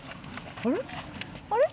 あれ？